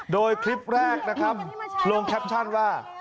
โดยคลิปแรกนะครับลงแคปชั่นว่า